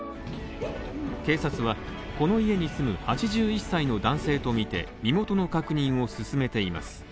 警察はこの家に住む８１歳の男性とみて身元の確認を進めています。